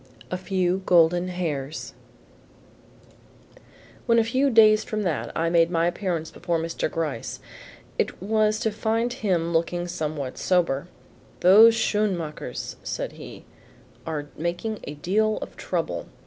A FEW GOLDEN HAIRS When a few days from that I made my appearance before Mr. Gryce, it was to find him looking somewhat sober. "Those Schoenmakers," said he, "are making a deal of trouble.